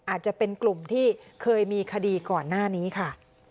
อาจจะเป็นกลุ่มที่เคยมีคดีก่อนหน้านี้ค่ะ